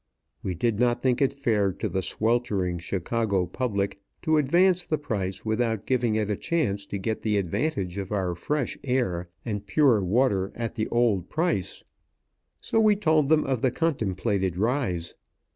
We did not think it fair to the sweltering Chicago public to advance the price without giving it a chance to get the advantage of our fresh air and pure water at the old price, so we told them of the contemplated rise.